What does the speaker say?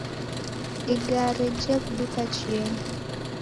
Igari jewuduka chienyi